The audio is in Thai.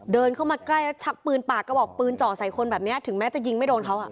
เดินเข้ามาใกล้แล้วชักปืนปากกระบอกปืนเจาะใส่คนแบบนี้ถึงแม้จะยิงไม่โดนเขาอ่ะ